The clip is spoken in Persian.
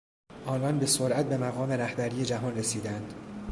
آنان به سرعت به مقام رهبری جهان رسیدند.